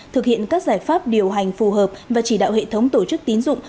thực hiện các giải pháp điều hành phù hợp và chỉ đạo hệ thống tổ chức tín dụng